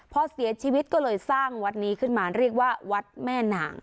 พอเสียชีวิตก็เลยสร้างวัดนี้ขึ้นมาเรียกว่าวัดแม่นาง